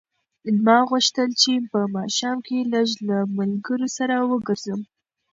ما غوښتل چې په ماښام کې لږ له ملګرو سره وګرځم.